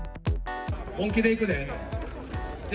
本気でいくで。